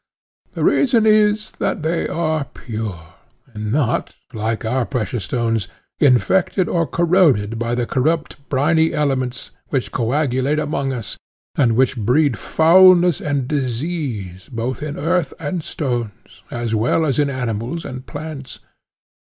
The reason is, that they are pure, and not, like our precious stones, infected or corroded by the corrupt briny elements which coagulate among us, and which breed foulness and disease both in earth and stones, as well as in animals and plants.